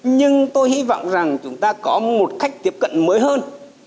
nhưng tôi hy vọng rằng chúng ta có một cách tiếp cận mới hơn